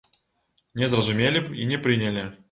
Не зразумелі б і не прынялі.